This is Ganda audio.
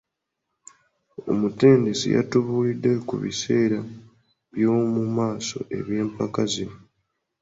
Omutendesi yatubuulidde ku biseera by'omu maaso eby'empaka zino.